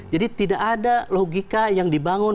jadi tidak ada logika yang dibangun